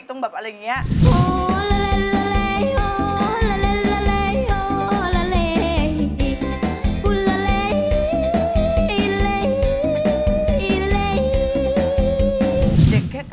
โฮลาเลโฮลาเล